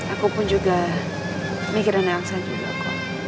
aku pun juga mikirin elsa juga kum